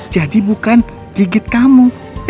jadi bukan gigit kamu